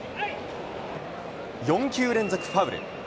４球連続ファウル。